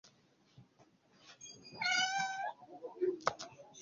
Ntushaka kumenya uko Mazimpaka asa?